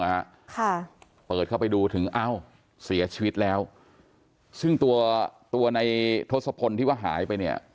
ค่ะเปิดเข้าไปดูถึงเอ้าเสียชีวิตแล้วซึ่งตัวตัวในทศพลที่ว่าหายไปเนี่ย